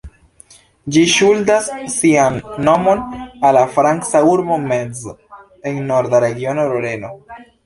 Ĝi ŝuldas sian nomon al la franca urbo Metz en norda regiono Loreno.